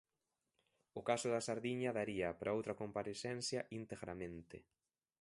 O caso da sardiña daría para outra comparecencia integramente.